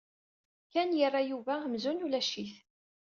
Ken yerra Yuba amzun ulac-it.